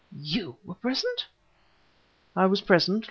You were present?" "I was present!